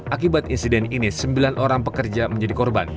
akibat insiden ini sembilan orang pekerja menjadi korban